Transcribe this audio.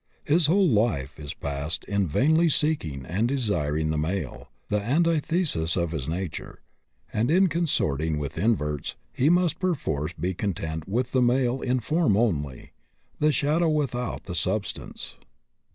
His whole life is passed in vainly seeking and desiring the male, the antithesis of his nature, and in consorting with inverts he must perforce be content with the male in form only, the shadow without the substance.